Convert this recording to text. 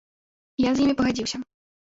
Я з імі пагадзіўся.